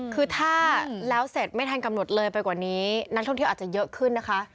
คือถ้าแล้วเสร็จไม่ทันกำหนดเลยไปกว่านี้นักท่องเที่ยวอาจจะเยอะขึ้นนะคะ